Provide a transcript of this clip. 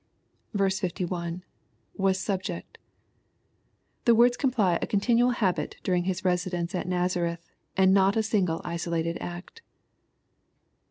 51. — [was suhfect.] The words imply a continual habit during Hia residence at Nazareth, and not a single isolated act 52.